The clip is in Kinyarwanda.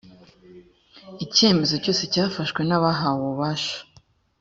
icyemezo cyose cyafashwe n abahawe ububasha